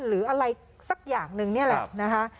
หรืออะไรสักอย่างหนึ่งนี่แหละนะคะ